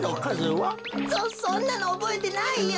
そそんなのおぼえてないよ！